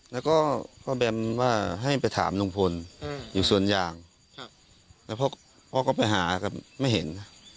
แล้วก็พ่อแบมว่าให้ไปถามลุงพลอยู่สวนยางแล้วพ่อก็ไปหาก็ไม่เห็น